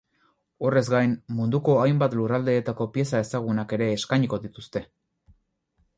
Horrez gain, munduko hainbat lurraldeetako pieza ezagunak ere eskainiko dituzte.